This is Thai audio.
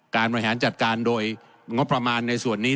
บริหารจัดการโดยงบประมาณในส่วนนี้